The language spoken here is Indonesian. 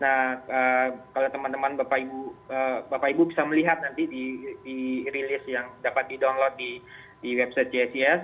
nah kalau teman teman bapak ibu bisa melihat nanti dirilis yang dapat didownload di website jcs